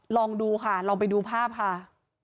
ลองดูค่ะลองไปดูภาพค่ะ